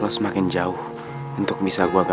lan lo semakin jauh untuk bisa gue ngapain